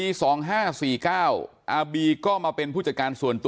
ลองฟังเสียงช่วงนี้ดูค่ะ